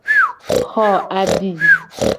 Xo abi.